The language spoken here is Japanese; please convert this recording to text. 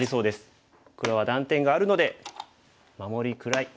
黒は断点があるので守りくらい。